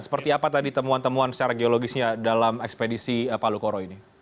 seperti apa tadi temuan temuan secara geologisnya dalam ekspedisi palu koro ini